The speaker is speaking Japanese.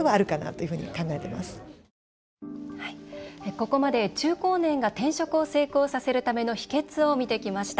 ここまで中高年が転職を成功させるための秘けつを見てきました。